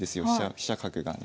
飛車角がね。